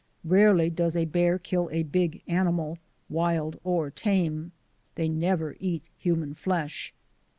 Rarely does a bear kill a big animal, wild or tame. They never eat human flesh.